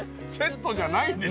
セットじゃない。